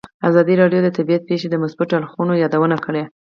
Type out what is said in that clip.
ازادي راډیو د طبیعي پېښې د مثبتو اړخونو یادونه کړې.